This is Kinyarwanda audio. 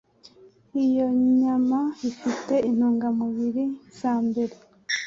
Iyo nyama ifite intungamubiri za mbere.